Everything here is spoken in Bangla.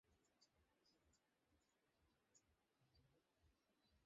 অলিম্পিক সাঁতারের প্রথম দিনেই তিনটি বিশ্ব রেকর্ড তাই বলার মতো ঘটনাই।